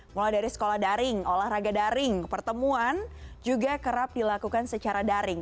mulai dari sekolah daring olahraga daring pertemuan juga kerap dilakukan secara daring